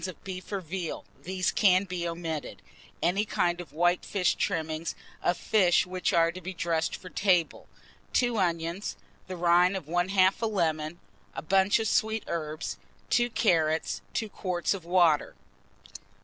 of beef or veal (these can be omitted), any kind of white fish trimmings, of fish which are to be dressed for table, 2 onions, the rind of 1/2 a lemon, a bunch of sweet herbs, 2 carrots, 2 quarts of water.